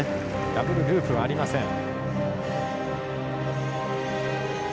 ダブルループはありません。